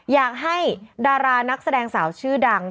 อยากให้ดารานักแสดงสาวชื่อดัง